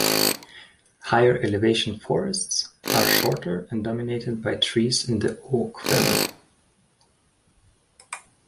Higher elevation forests are shorter and dominated by trees in the oak family.